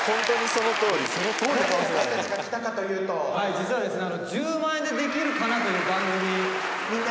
「実はですね」